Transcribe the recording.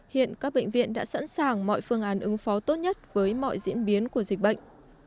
hiện các bệnh viện đã sẵn sàng mọi phương án ứng phó tốt nhất với mọi diễn biến của dịch bệnh